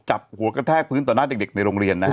จับหัวกระแทกพื้นต่อหน้าเด็กในโรงเรียนนะฮะ